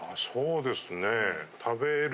そうですね。